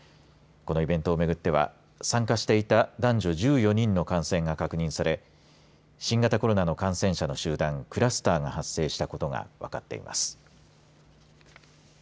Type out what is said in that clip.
このイベントをめぐっては参加していた男女１４人の感染が確認され新型コロナの感染者の集団クラスターが発生したことが分かっています。